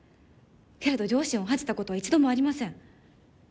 けれど両親を恥じたことは一度もありません。